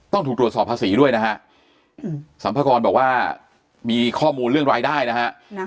ต้องถูกตรวจสอบภาษีด้วยนะฮะสัมภากรบอกว่ามีข้อมูลเรื่องรายได้นะฮะ